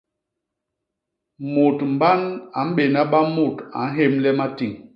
Mut mban a mbéna ba mut a nhémle matiñ.